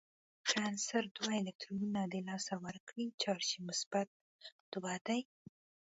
که عنصر دوه الکترونونه د لاسه ورکړي چارج یې مثبت دوه دی.